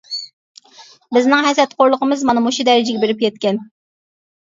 بىزنىڭ ھەسەتخورلۇقىمىز مانا مۇشۇ دەرىجىگە بېرىپ يەتكەن.